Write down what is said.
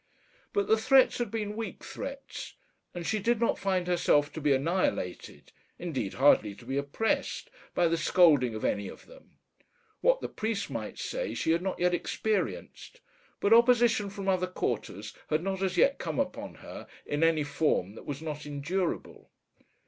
But the threats had been weak threats, and she did not find herself to be annihilated indeed, hardly to be oppressed by the scolding of any of them. What the priest might say she had not yet experienced; but opposition from other quarters had not as yet come upon her in any form that was not endurable.